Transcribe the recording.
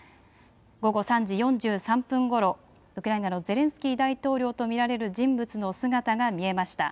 午後３時４３分ごろ、ウクライナのゼレンスキー大統領と見られる人物の姿が見えました。